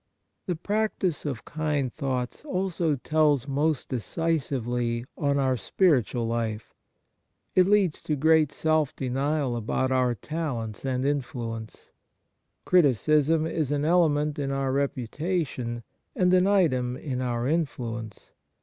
The practice of kind thoughts also tells most decisively on our spiritual life. It leads to great self denial about our talents and influence. Criticism is an element in our reputation, and an item in our influ ence.